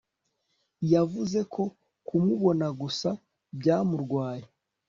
Yavuze ko kumubona gusa byamurwaye